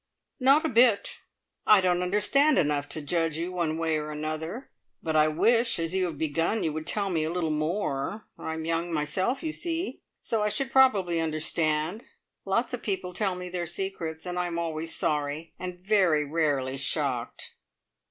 "Not a bit. I don't understand enough to judge you one way or another; but I wish, as you have begun, you would tell me a little more. I'm young myself, you see, so I should probably understand. Lots of people tell me their secrets, and I'm always sorry, and very rarely shocked.